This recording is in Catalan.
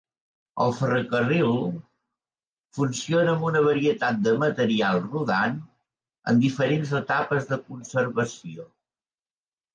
El ferrocarril funciona amb una varietat de material rodant en diferents etapes de conservació.